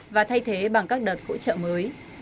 và thay thế bằng các đợt hỗ trợ mới